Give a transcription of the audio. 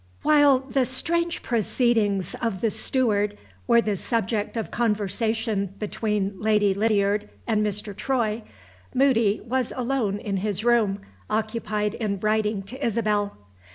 WHILE the strange proceedings of the steward were the subject of conversation between Lady Lydiard and Mr. Troy, Moody was alone in his room, occupied in writing to Isabel.